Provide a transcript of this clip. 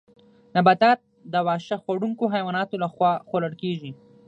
نباتات د واښه خوړونکو حیواناتو لخوا خوړل کیږي